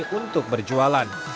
dan juga berjualan